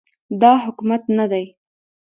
دا حکومت نه دی